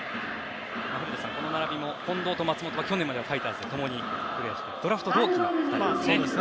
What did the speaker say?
古田さん、この並びも近藤と松本はファイターズで共にプレーしてドラフト同期の２人ですね。